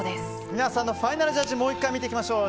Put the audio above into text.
皆さんのファイナルジャッジをもう１回見ていきましょう。